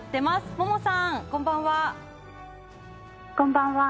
ももさん、こんばんは。